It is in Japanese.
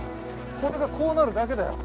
これがこうなるだけだよ。